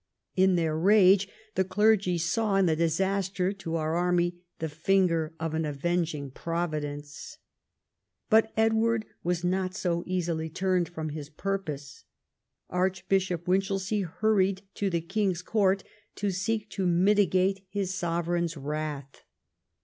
In their rage the clergy saw in the disaster to our army the finger of an avenging Providence. But Edward was not so easily turned from his purpose. Archbishop Winchelsea hurried to the king's court to seek to mitigate his sovereign's wrath.